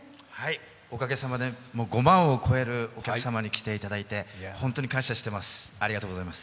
おかげさまで５万を超えるお客様に来ていただいてホントに感謝してます、ありがとうございます。